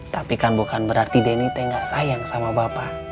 tapi kan bukan berarti denny teh nggak sayang sama bapak